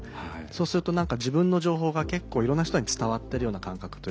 そうすると自分の情報が結構いろんな人に伝わってるような感覚というか。